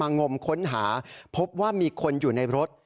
งมค้นหาพบว่ามีคนอยู่ในรถ